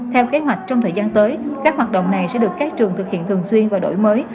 theo kế hoạch trong thời gian tới các hoạt động này sẽ được các trường thực hiện thường xuyên và đổi mới